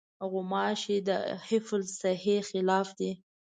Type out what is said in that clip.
غوماشې د حفظالصحې خلاف دي.